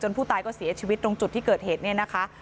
ผู้ตายก็เสียชีวิตตรงจุดที่เกิดเหตุเนี่ยนะคะ